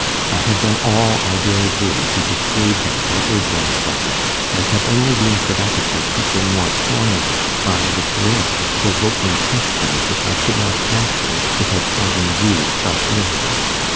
I have done all I dare do to dissuade him from urging the subject, and have only been prevented from speaking more strongly by the dread of provoking questions which I could not answer without causing you fresh misery.